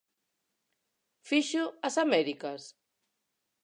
Fixo as Américas?